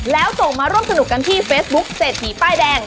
แล้วส่งมาร่วมสนุกกันที่เฟซบุ๊คเศรษฐีป้ายแดง